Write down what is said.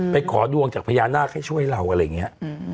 ไปขอดวงจากพญานากให้ช่วยเรามันยังไง